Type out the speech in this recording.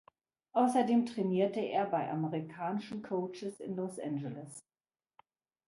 Außerdem trainierte er bei amerikanischen Coaches in Los Angeles.